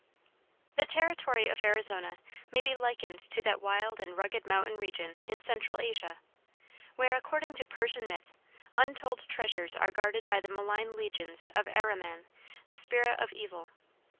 The territory of Arizona may be likened to that wild and rugged mountain region in Central Asia, where, according to Persian myth, untold treasures are guarded by the malign legions of Ahriman, the spirit of evil.